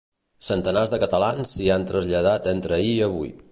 Centenars de catalans s’hi han traslladat entre ahir i avui.